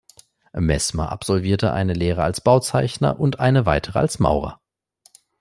Messmer absolvierte eine Lehre als Bauzeichner und eine weitere als Maurer.